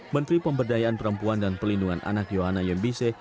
menteri pemberdayaan perempuan dan pelindungan anak yohana yembise